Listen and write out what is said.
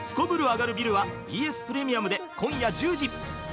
アガるビルはＢＳプレミアムで今夜１０時。